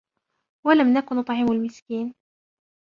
وَلَمْ نَكُ نُطْعِمُ الْمِسْكِينَ